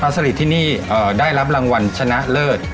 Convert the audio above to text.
สลิดที่นี่ได้รับรางวัลชนะเลิศ